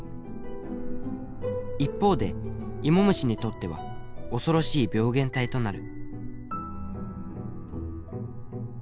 一方でイモムシにとっては恐ろしい病原体となる」。